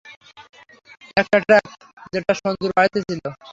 একটা ট্রাকে, যেটা সঞ্জুর বাড়িতে ছিলো!